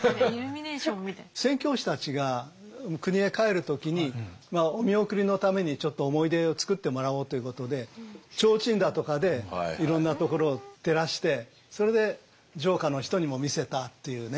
宣教師たちが国へ帰る時にまあお見送りのためにちょっと思い出をつくってもらおうということで提灯だとかでいろんなところを照らしてそれで城下の人にも見せたというね。